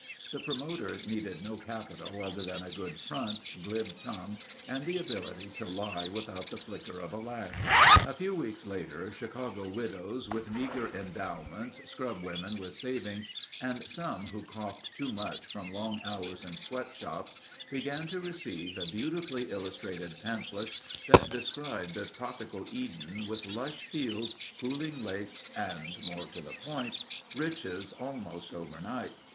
The promoter needed no capital other than a good front, glib tongue, and the ability to lie without the flicker of a lash. A few weeks later Chicago widows with meager endowments, scrub women with savings, and some who coughed too much from long hours in sweat shops began to receive beautifully illustrated pamphlets that described a tropical Eden with lush fields, cooling lakes, and more to the point, riches almost overnight.